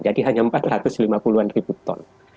jadi hanya empat ratus lima puluh an ribu ton